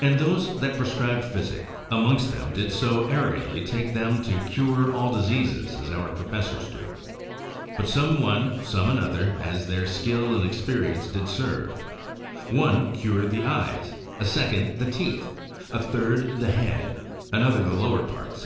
And those that prescribed physic, amongst them, did not so arrogantly take upon them to cure all diseases, as our professors do, but some one, some another, as their skill and experience did serve; One cured the eyes, a second the teeth, a third the head, another the lower parts, &c.